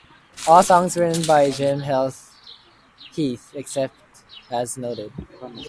All songs written by Jim Heath except as noted.